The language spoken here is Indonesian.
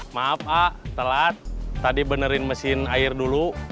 maaf a telat tadi benerin mesin air dulu